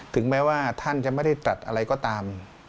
ถึงแม้ว่าท่านจะไม่ได้ตัดอะไรก็ตาม